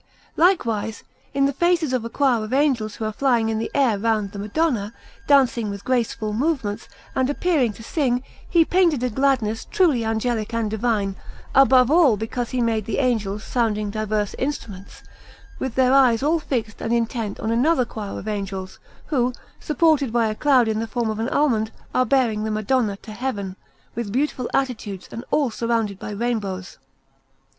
Likewise, in the faces of a choir of angels who are flying in the air round the Madonna, dancing with graceful movements, and appearing to sing, he painted a gladness truly angelic and divine, above all because he made the angels sounding diverse instruments, with their eyes all fixed and intent on another choir of angels, who, supported by a cloud in the form of an almond, are bearing the Madonna to Heaven, with beautiful attitudes and all surrounded by rainbows.